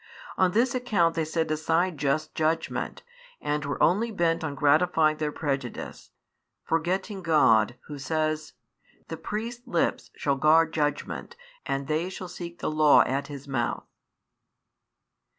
On this account they set aside just judgment and were only bent on gratifying their prejudice; forgetting God, Who says: The priest's lips shall guard judgment and they shall seek the law at his mouth.